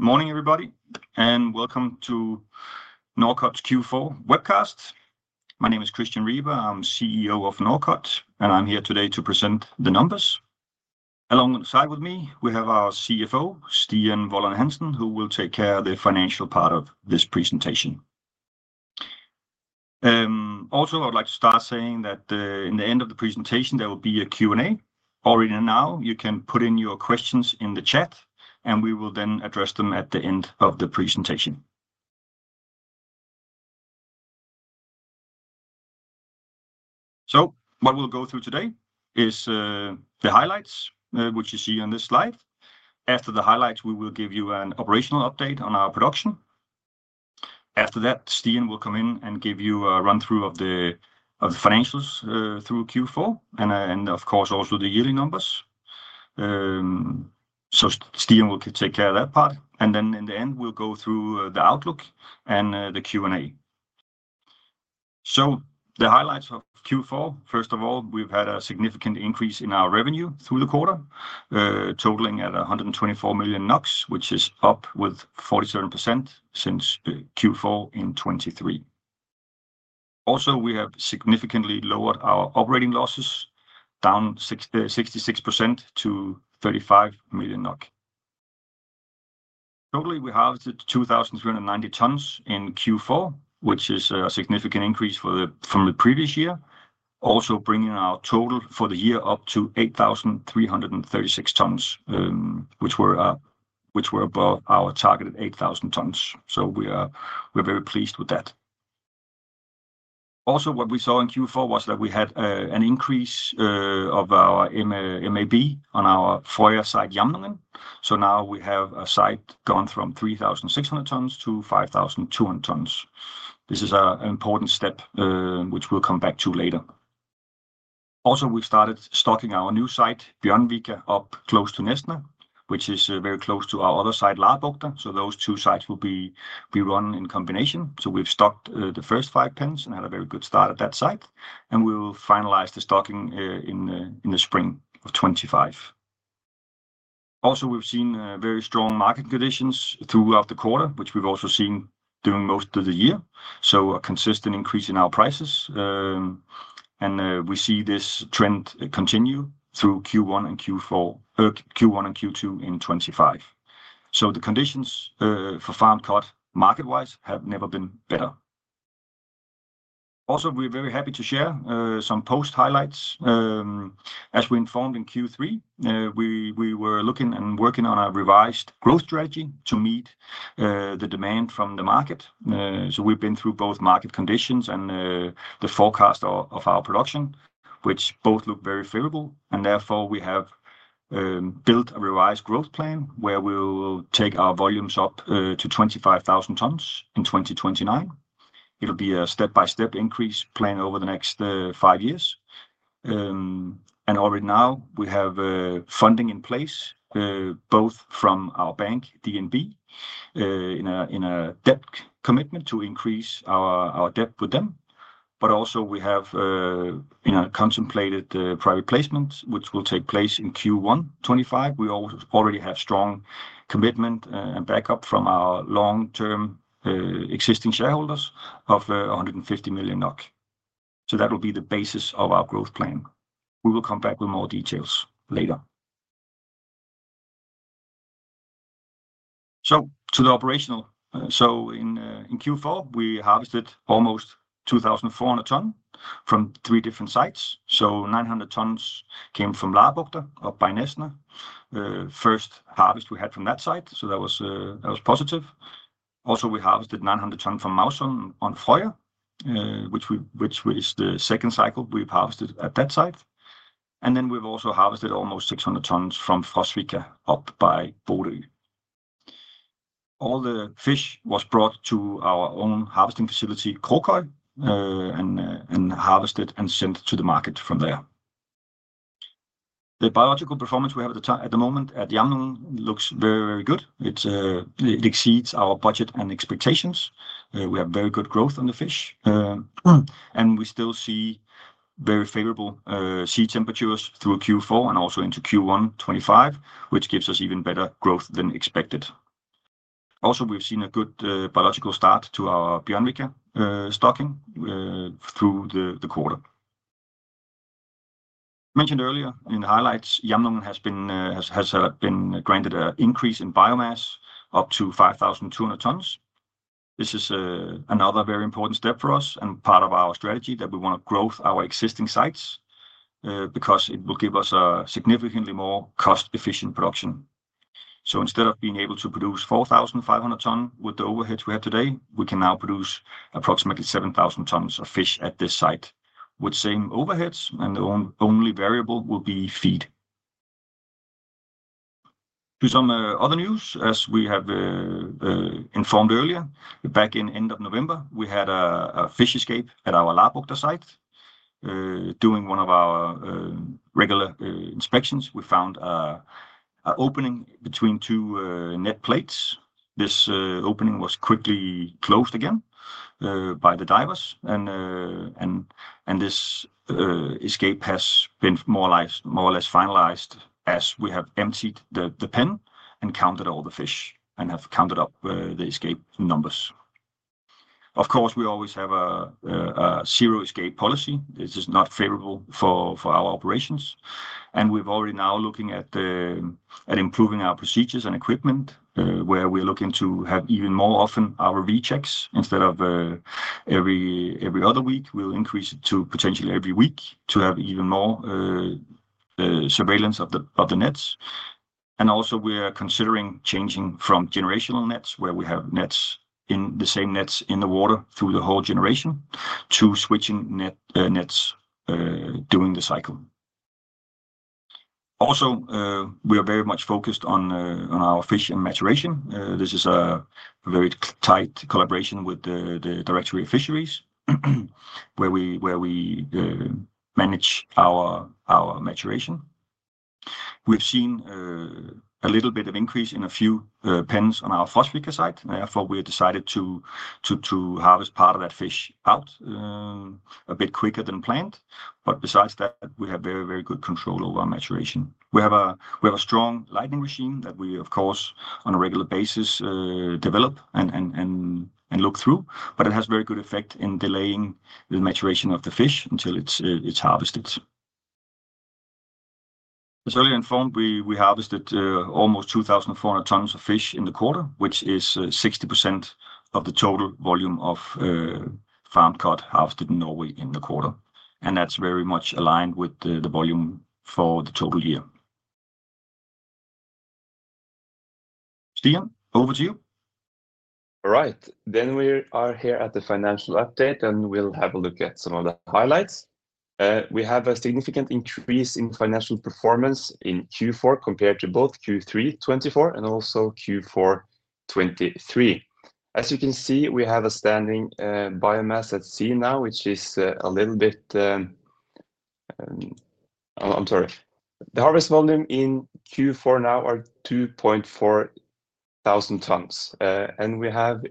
Morning, everybody, and welcome to Norcod Q4 webcast. My name is Christian Riber. I'm CEO of Norcod, and I'm here today to present the numbers. Alongside with me, we have our CFO, Stian Vollan-Hansen, who will take care of the financial part of this presentation. Also, I would like to start saying that in the end of the presentation, there will be a Q&A. Already now, you can put in your questions in the chat, and we will then address them at the end of the presentation. What we'll go through today is the highlights, which you see on this slide. After the highlights, we will give you an operational update on our production. After that, Stian will come in and give you a run-through of the financials through Q4, and of course, also the yearly numbers. Stian will take care of that part. Then in the end, we'll go through the outlook and the Q&A. The highlights of Q4, first of all, we've had a significant increase in our revenue through the quarter, totaling at 124 million NOK, which is up 47% since Q4 in 2023. Also, we have significantly lowered our operating losses, down 66% to 35 million NOK. Totally, we harvested 2,390 tons in Q4, which is a significant increase from the previous year, also bringing our total for the year up to 8,336 tons, which were above our targeted 8,000 tons. We're very pleased with that. Also, what we saw in Q4 was that we had an increase of our MAB on our Frøya site Jamnungen. Now we have a site gone from 3,600 tons to 5,200 tons. This is an important step, which we'll come back to later. Also, we've started stocking our new site, Bjørnvika, up close to Nesna, which is very close to our other site, Labukta. Those two sites will be run in combination. We've stocked the first five pens and had a very good start at that site. We will finalize the stocking in the spring of 2025. Also, we've seen very strong market conditions throughout the quarter, which we've also seen during most of the year. A consistent increase in our prices has been observed. We see this trend continue through Q1 and Q2 in 2025. The conditions for farmed cod market-wise have never been better. We're very happy to share some post-highlights. As we informed in Q3, we were looking and working on a revised growth strategy to meet the demand from the market. We have been through both market conditions and the forecast of our production, which both look very favorable. Therefore, we have built a revised growth plan where we will take our volumes up to 25,000 tons in 2029. It will be a step-by-step increase plan over the next five years. Already now, we have funding in place, both from our bank, DNB, in a debt commitment to increase our debt with them. Also, we have contemplated private placements, which will take place in Q1 2025. We already have strong commitment and backup from our long-term existing shareholders of 150 million NOK. That will be the basis of our growth plan. We will come back with more details later. To the operational. In Q4, we harvested almost 2,400 tons from three different sites. 900 tons came from Labukta up by Nesna. First harvest we had from that site. That was positive. Also, we harvested 900 tons from Mausund on Frøya, which is the second cycle we've harvested at that site. We also harvested almost 600 tons from Frosvika up by Bodø. All the fish was brought to our own harvesting facility, Krokeide, and harvested and sent to the market from there. The biological performance we have at the moment at Jamnungen looks very, very good. It exceeds our budget and expectations. We have very good growth on the fish. We still see very favorable sea temperatures through Q4 and also into Q1 2025, which gives us even better growth than expected. We have seen a good biological start to our Bjørnvika stocking through the quarter. As mentioned earlier in the highlights, Jamnungen has been granted an increase in biomass up to 5,200 tons. This is another very important step for us and part of our strategy that we want to grow our existing sites because it will give us a significantly more cost-efficient production. Instead of being able to produce 4,500 tons with the overheads we have today, we can now produce approximately 7,000 tons of fish at this site with the same overheads, and the only variable will be feed. To some other news, as we have informed earlier, back in end of November, we had a fish escape at our Labukta site. During one of our regular inspections, we found an opening between two net plates. This opening was quickly closed again by the divers. This escape has been more or less finalized as we have emptied the pen and counted all the fish and have counted up the escape numbers. Of course, we always have a zero escape policy. This is not favorable for our operations. We have already now looking at improving our procedures and equipment, where we're looking to have even more often our rechecks instead of every other week. We'll increase it to potentially every week to have even more surveillance of the nets. Also, we're considering changing from generational nets, where we have nets in the same nets in the water through the whole generation, to switching nets during the cycle. We are very much focused on our fish and maturation. This is a very tight collaboration with the Directorate of Fisheries, where we manage our maturation. We've seen a little bit of increase in a few pens on our Frosvika site. Therefore, we have decided to harvest part of that fish out a bit quicker than planned. Besides that, we have very, very good control over our maturation. We have a strong lighting regime that we, of course, on a regular basis develop and look through. It has very good effect in delaying the maturation of the fish until it's harvested. As earlier informed, we harvested almost 2,400 tons of fish in the quarter, which is 60% of the total volume of farmed cod harvested in Norway in the quarter. That is very much aligned with the volume for the total year. Stian, over to you. All right. We are here at the financial update, and we'll have a look at some of the highlights. We have a significant increase in financial performance in Q4 compared to both Q3 2024 and also Q4 2023. As you can see, we have a standing biomass at sea now, which is a little bit—I'm sorry. The harvest volume in Q4 now is 2,400 tons. We have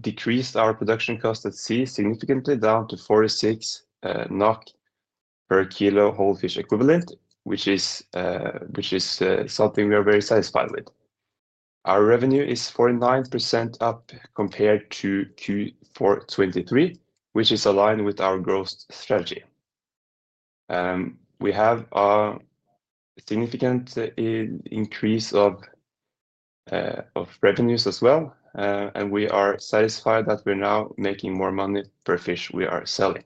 decreased our production cost at sea significantly, down to 46 NOK per kilo whole fish equivalent, which is something we are very satisfied with. Our revenue is 49% up compared to Q4 2023, which is aligned with our growth strategy. We have a significant increase of revenues as well. We are satisfied that we're now making more money per fish we are selling.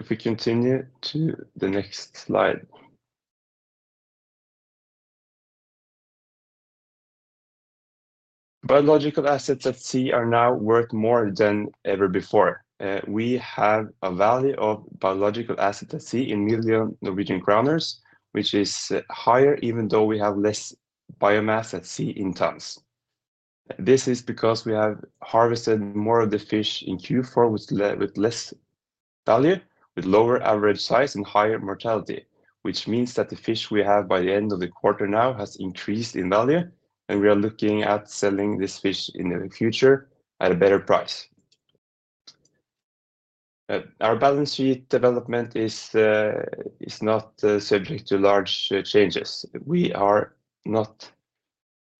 If we continue to the next slide. Biological assets at sea are now worth more than ever before. We have a value of biological assets at sea in million Norwegian krone, which is higher even though we have less biomass at sea in tons. This is because we have harvested more of the fish in Q4 with less value, with lower average size and higher mortality, which means that the fish we have by the end of the quarter now has increased in value. We are looking at selling this fish in the future at a better price. Our balance sheet development is not subject to large changes. We are not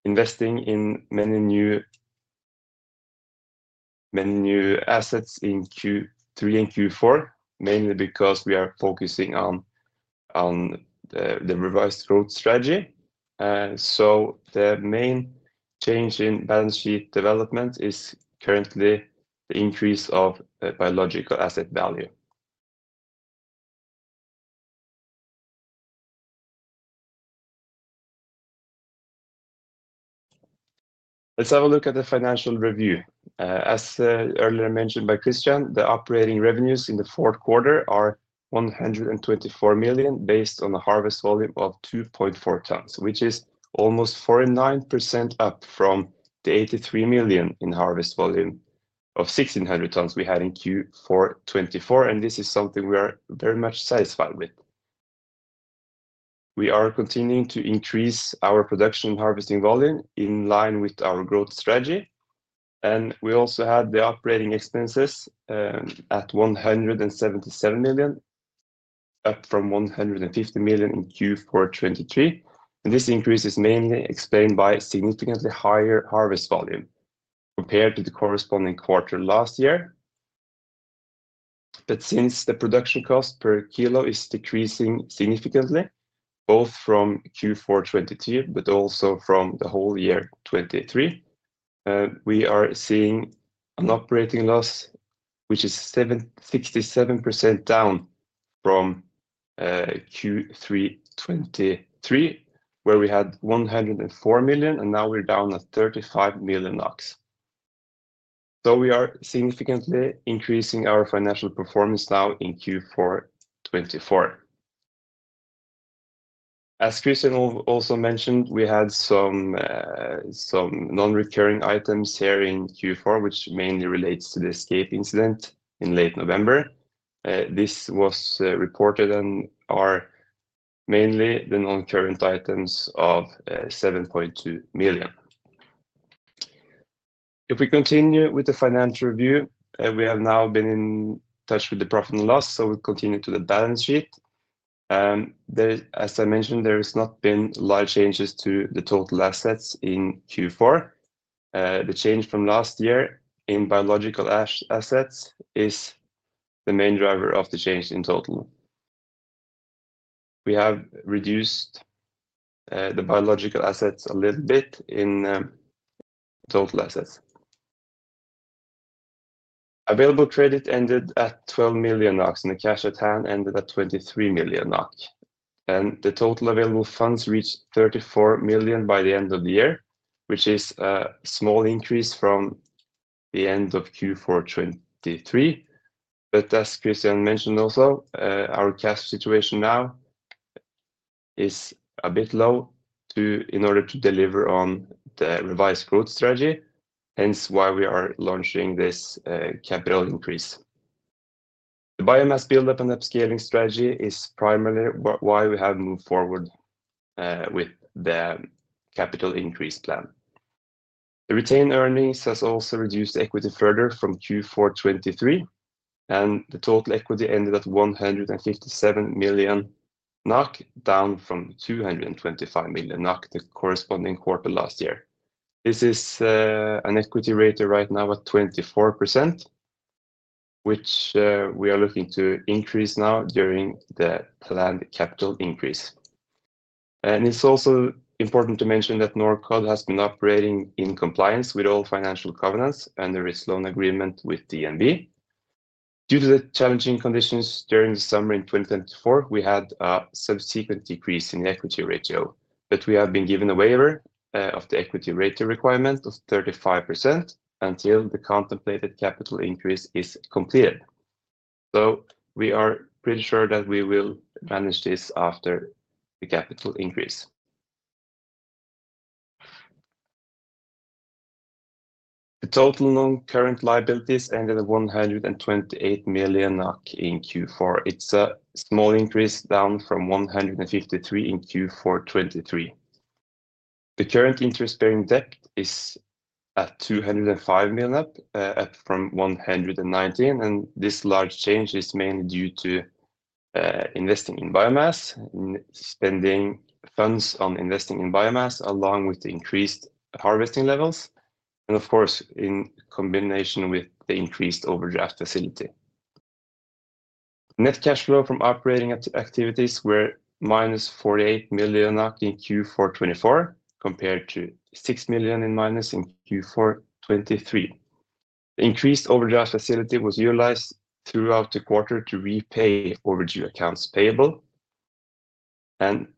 investing in many new assets in Q3 and Q4, mainly because we are focusing on the revised growth strategy. The main change in balance sheet development is currently the increase of biological asset value. Let's have a look at the financial review. As earlier mentioned by Christian, the operating revenues in the fourth quarter are 124 million based on a harvest volume of 2.4 tons, which is almost 49% up from the 83 million in harvest volume of 1,600 tons we had in Q4 2024. This is something we are very much satisfied with. We are continuing to increase our production and harvesting volume in line with our growth strategy. We also had the operating expenses at 177 million, up from 150 million in Q4 2023. This increase is mainly explained by significantly higher harvest volume compared to the corresponding quarter last year. Since the production cost per kilo is decreasing significantly, both from Q4 2022, but also from the whole year 2023, we are seeing an operating loss, which is 67% down from Q3 2023, where we had 104 million, and now we're down at 35 million NOK. We are significantly increasing our financial performance now in Q4 2024. As Christian also mentioned, we had some non-recurring items here in Q4, which mainly relates to the escape incident in late November. This was reported and are mainly the non-current items of 7.2 million. If we continue with the financial review, we have now been in touch with the profit and loss, so we'll continue to the balance sheet. As I mentioned, there have not been large changes to the total assets in Q4. The change from last year in biological assets is the main driver of the change in total. We have reduced the biological assets a little bit in total assets. Available credit ended at 12 million NOK, and the cash at hand ended at 23 million NOK. The total available funds reached 34 million by the end of the year, which is a small increase from the end of Q4 2023. As Christian mentioned also, our cash situation now is a bit low in order to deliver on the revised growth strategy, hence why we are launching this capital increase. The biomass buildup and upscaling strategy is primarily why we have moved forward with the capital increase plan. The retained earnings has also reduced equity further from Q4 2023. The total equity ended at 157 million NOK, down from 225 million NOK the corresponding quarter last year. This is an equity rate right now at 24%, which we are looking to increase now during the planned capital increase. It is also important to mention that Norcod has been operating in compliance with all financial covenants and the risk loan agreement with DNB. Due to the challenging conditions during the summer in 2024, we had a subsequent decrease in the equity ratio. We have been given a waiver of the equity rate requirement of 35% until the contemplated capital increase is completed. We are pretty sure that we will manage this after the capital increase. The total non-current liabilities ended at 128 million in Q4. It is a small increase down from 153 million in Q4 2023. The current interest-bearing debt is at 205 million up from 119 million. This large change is mainly due to investing in biomass, spending funds on investing in biomass, along with the increased harvesting levels. Of course, in combination with the increased overdraft facility. Net cash flow from operating activities were -48 million in Q4 2024 compared to 6 million in minus in Q4 2023. The increased overdraft facility was utilized throughout the quarter to repay overdue accounts payable.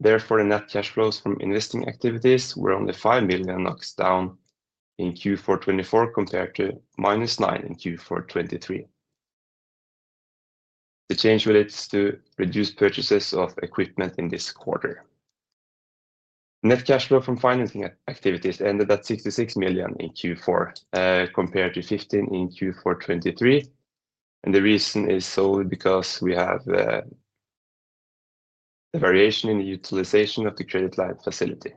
Therefore, the net cash flows from investing activities were only 5 million NOK down in Q4 2024 compared to -9 million in minus in Q4 2023. The change relates to reduced purchases of equipment in this quarter. Net cash flow from financing activities ended at 66 million in Q4 compared to 15 million in Q4 2023. The reason is solely because we have a variation in the utilization of the credit line facility.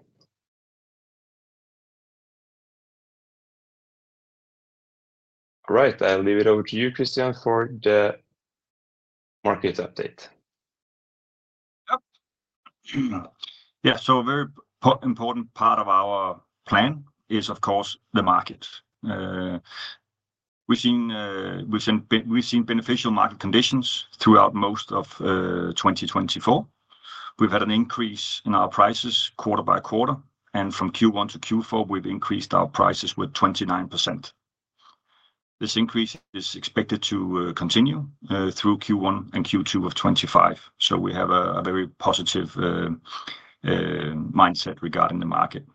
All right, I'll leave it over to you, Christian, for the market update. Yeah, so a very important part of our plan is, of course, the market. We've seen beneficial market conditions throughout most of 2024. We've had an increase in our prices quarter-by-quarter. From Q1-Q4, we've increased our prices with 29%. This increase is expected to continue through Q1 and Q2 of 2025. We have a very positive mindset regarding the market.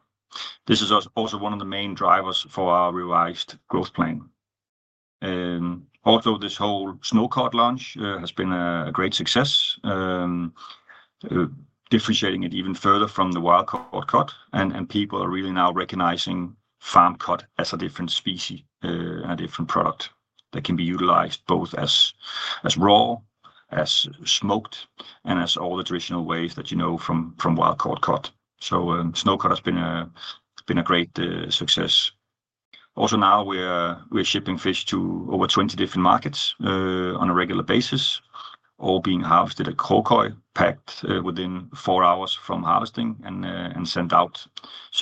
This is also one of the main drivers for our revised growth plan. Also, this whole Snow Cod launch has been a great success, differentiating it even further from the wild caught cod. People are really now recognizing farmed cod as a different species, a different product that can be utilized both as raw, as smoked, and as all the traditional ways that you know from wild caught cod. Snow Cod has been a great success. Also, now we're shipping fish to over 20 different markets on a regular basis, all being harvested at Krokeide, packed within four hours from harvesting and sent out.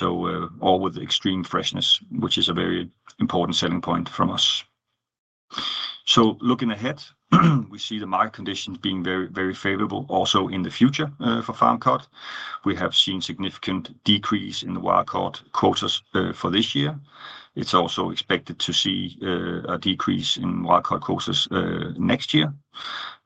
All with extreme freshness, which is a very important selling point from us. Looking ahead, we see the market conditions being very, very favorable also in the future for farmed cod. We have seen a significant decrease in the wild caught cod quotas for this year. It is also expected to see a decrease in wild caught cod quotas next year.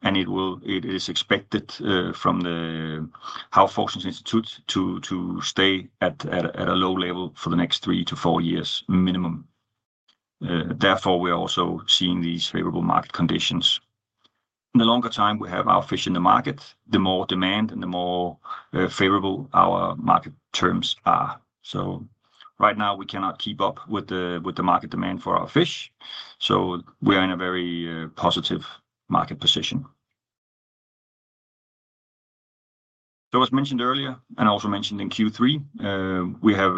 It is expected from the Havforskningsinstituttet to stay at a low level for the next three to four years minimum. Therefore, we are also seeing these favorable market conditions. The longer time we have our fish in the market, the more demand and the more favorable our market terms are. Right now, we cannot keep up with the market demand for our fish. We are in a very positive market position. As mentioned earlier, and also mentioned in Q3, we have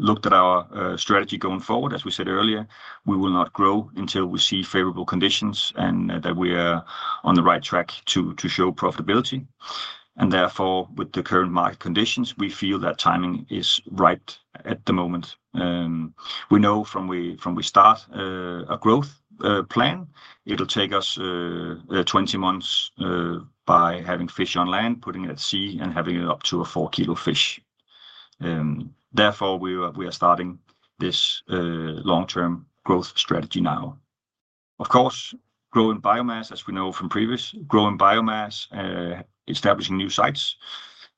looked at our strategy going forward. As we said earlier, we will not grow until we see favorable conditions and that we are on the right track to show profitability. Therefore, with the current market conditions, we feel that timing is right at the moment. We know from when we start a growth plan, it will take us 20 months by having fish on land, putting it at sea, and having it up to a four-kilo fish. Therefore, we are starting this long-term growth strategy now. Of course, growing biomass, as we know from previous, growing biomass, establishing new sites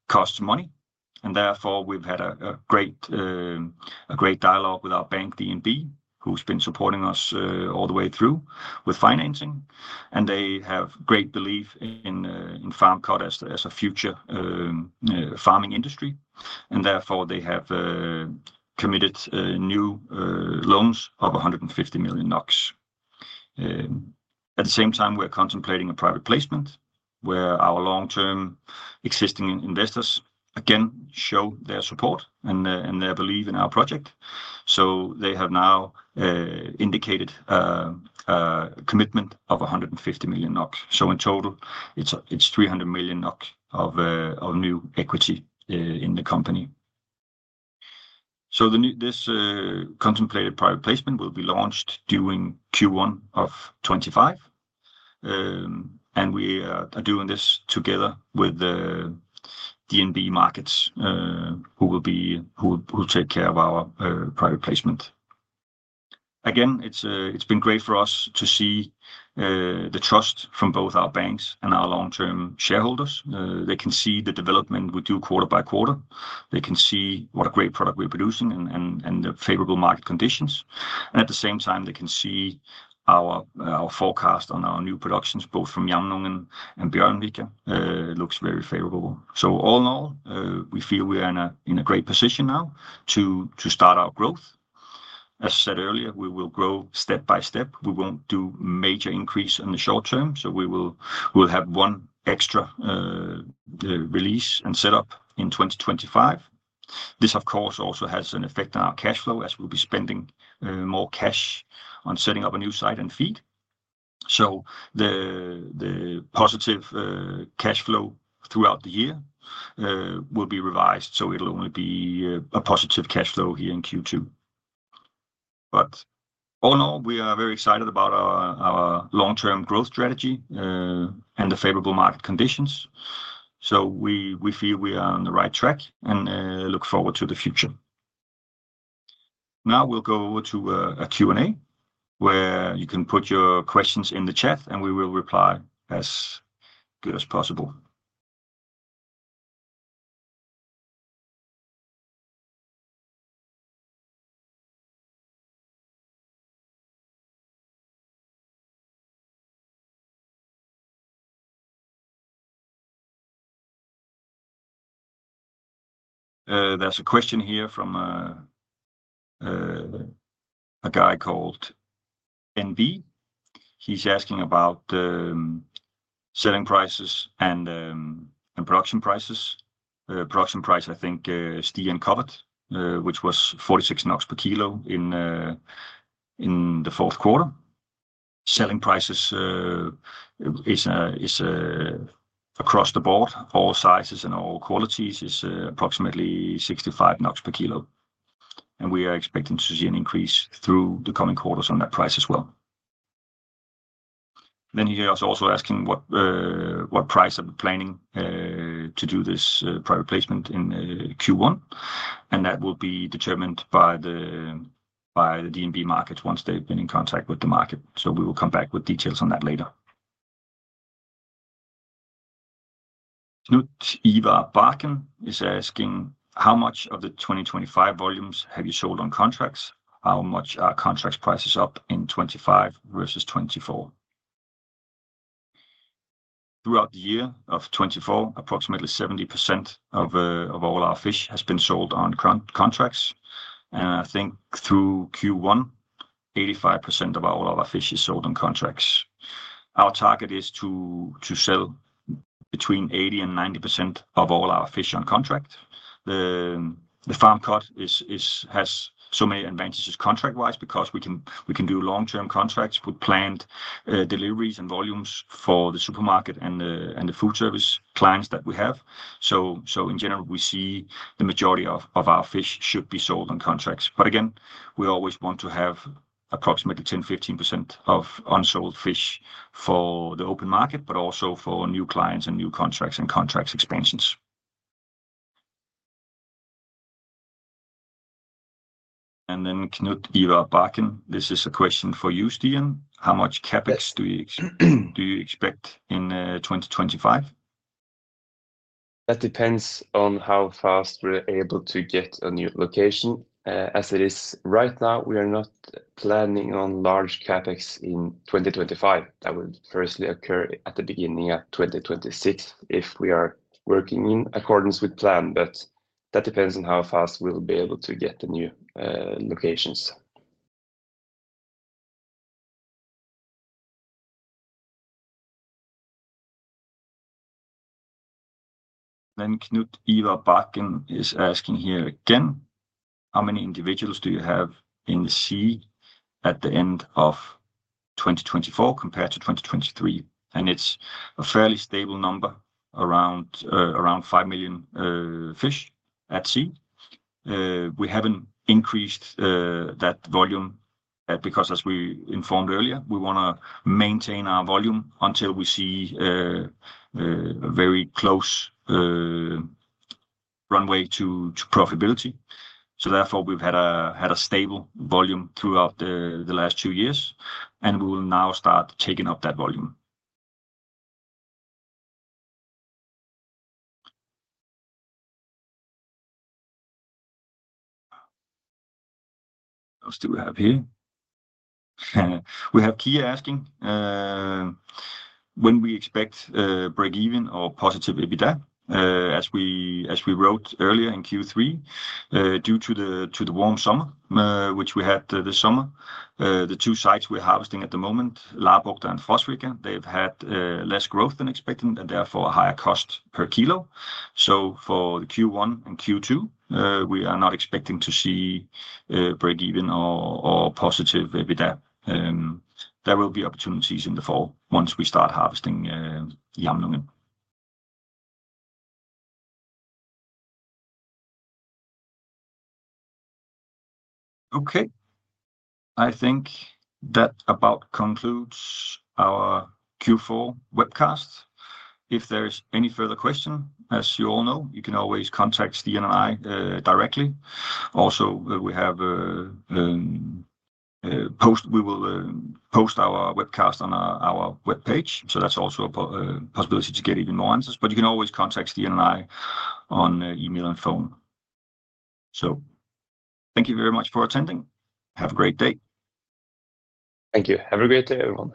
costs money. Therefore, we've had a great dialogue with our bank, DNB, who's been supporting us all the way through with financing. They have great belief in farmed cod as a future farming industry. They have committed new loans of 150 million NOK. At the same time, we're contemplating a private placement where our long-term existing investors, again, show their support and their belief in our project. They have now indicated a commitment of 150 million NOK. In total, it's 300 million NOK of new equity in the company. This contemplated private placement will be launched during Q1 of 2025. We are doing this together with DNB Markets, who will take care of our private placement. Again, it's been great for us to see the trust from both our banks and our long-term shareholders. They can see the development we do quarter-by-quarter. They can see what a great product we're producing and the favorable market conditions. At the same time, they can see our forecast on our new productions, both from Jamnungen and Bjørnvika. It looks very favorable. All in all, we feel we are in a great position now to start our growth. As I said earlier, we will grow step by step. We won't do major increase in the short term. We will have one extra release and setup in 2025. This, of course, also has an effect on our cash flow as we'll be spending more cash on setting up a new site and feed. The positive cash flow throughout the year will be revised. It will only be a positive cash flow here in Q2. All in all, we are very excited about our long-term growth strategy and the favorable market conditions. We feel we are on the right track and look forward to the future. Now we'll go over to a Q&A where you can put your questions in the chat, and we will reply as good as possible. There's a question here from a guy called NV. He's asking about selling prices and production prices. Production price, I think, Stian covered, which was 46 NOK per kilo in the fourth quarter. Selling prices is across the board, all sizes and all qualities is approximately 65 NOK per kilo. We are expecting to see an increase through the coming quarters on that price as well. He's also asking what price are we planning to do this private placement in Q1. That will be determined by the DNB Markets once they've been in contact with the market. We will come back with details on that later. Knut Ivar Bakken is asking, how much of the 2025 volumes have you sold on contracts? How much are contract prices up in 2025 versus 2024? Throughout the year of 2024, approximately 70% of all our fish has been sold on contracts. I think through Q1, 85% of all our fish is sold on contracts. Our target is to sell between 80%-90% of all our fish on contract. The farmed cod has so many advantages contract-wise because we can do long-term contracts with planned deliveries and volumes for the supermarket and the food service clients that we have. In general, we see the majority of our fish should be sold on contracts. We always want to have approximately 10%-15% of unsold fish for the open market, but also for new clients and new contracts and contract expansions. Knut Ivar Bakken, this is a question for you, Stian. How much CapEx do you expect in 2025? That depends on how fast we're able to get a new location. As it is right now, we are not planning on large CapEx in 2025. That will firstly occur at the beginning of 2026 if we are working in accordance with plan. That depends on how fast we'll be able to get the new locations. Knut Ivar Bakken is asking here again, how many individuals do you have in the sea at the end of 2024 compared to 2023? It's a fairly stable number, around five million fish at sea. We haven't increased that volume because, as we informed earlier, we want to maintain our volume until we see a very close runway to profitability. Therefore, we've had a stable volume throughout the last two years, and we will now start taking up that volume. What else do we have here? We have Kia asking, when we expect break-even or positive EBITDA, as we wrote earlier in Q3, due to the warm summer, which we had this summer. The two sites we're harvesting at the moment, Labukta and Frosvika, they've had less growth than expected and therefore a higher cost per kilo. For Q1 and Q2, we are not expecting to see break-even or positive EBITDA. There will be opportunities in the fall once we start harvesting Jamnungen. Okay. I think that about concludes our Q4 webcast. If there is any further question, as you all know, you can always contact Stian and I directly. Also, we have a post we will post our webcast on our web page. That is also a possibility to get even more answers. You can always contact Stian and I on email and phone. Thank you very much for attending. Have a great day. Thank you. Have a great day, everyone.